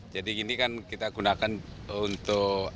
jadi ini kan kita gunakan untuk